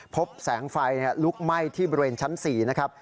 พบแสงไฟลุกไหม้ที่บริเวณชั้น๔นะครับ